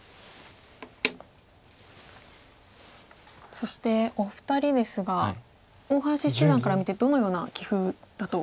そしてお二人ですが大橋七段から見てどのような棋風だと。